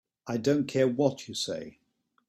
I don't care what you say.